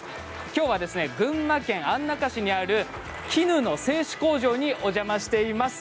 きょうは群馬県安中市にある絹の製糸工場にお邪魔しています。